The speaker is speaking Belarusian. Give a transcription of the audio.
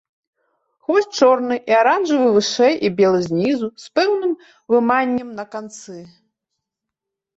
Хвост чорны і аранжавы вышэй і белы знізу, з пэўным выманнем на канцы.